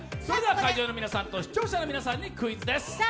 それでは会場の皆さんと視聴者の皆さんにクイズです。